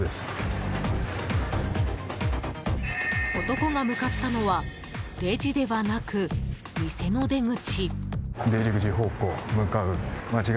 男が向かったのはレジではなく、店の出口。